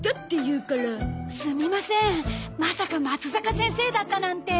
すみませんまさかまつざか先生だったなんて。